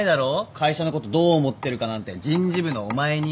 会社のことどう思ってるかなんて人事部のお前に。